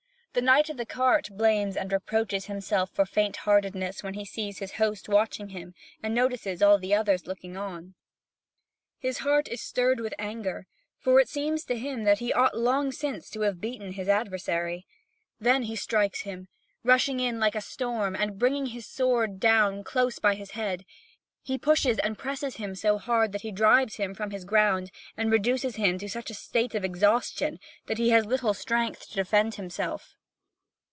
The Knight of the Cart blames and reproaches himself for faintheartedness when he sees his host watching him and notices all the others looking on. His heart is stirred with anger, for it seems to him that he ought long since to have beaten his adversary. Then he strikes him, rushing in like a storm and bringing his sword down close by his head; he pushes and presses him so hard that he drives him from his ground and reduces him to such a state of exhaustion that he has little strength to defend himself.